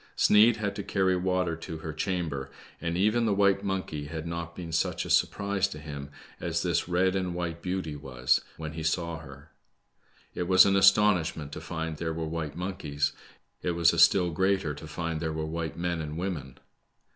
Sneid had to carry water to her chamber, and even the white monkey had npt been such a surprise to him, as this red and white^ beauty was when he saw her. It was an astonishment to find there were white monkeys. It was a still greater to find there were white men and women.